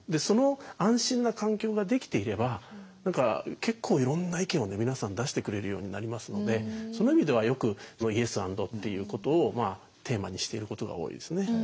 その安心な環境ができていれば結構いろんな意見を皆さん出してくれるようになりますのでその意味ではよく「イエス・アンド」っていうことをテーマにしていることが多いですね。